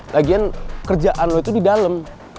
lagian kerjaan lo itu di dalam